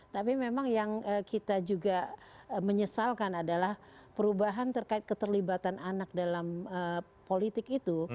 tapi memang yang kita juga menyesalkan adalah perubahan terkait keterlibatan anak dalam politik itu